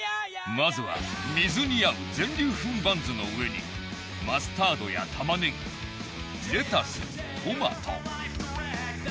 まずは水に合う全粒粉バンズの上にマスタードやタマネギレタストマト。